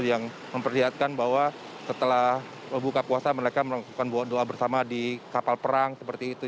yang memperlihatkan bahwa setelah buka puasa mereka melakukan doa bersama di kapal perang seperti itu